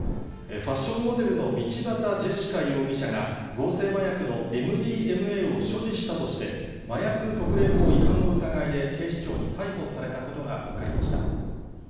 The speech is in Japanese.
ファッションモデルの道端ジェシカ容疑者が合成麻薬のＭＤＭＡを所持したとして、麻薬特例法違反の疑いで警視庁に逮捕されたことが分かりました。